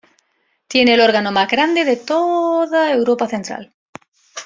Tiene el órgano más grande de toda Europa Central.